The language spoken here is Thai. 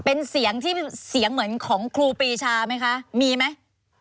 เป็นเสียงที่เสียงเหมือนของครูปีชาไหมคะมีไหม